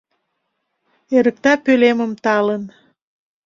Эрыкта пӧлемым талын